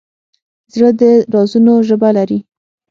زړه د رازونو ژبه لري.